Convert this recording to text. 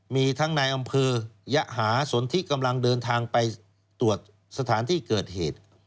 มีทั้งในอำเภอยหาสนทิกำลังเดินทางไปตรวจสถานที่เกิดเหตุ